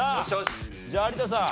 じゃあ有田さん。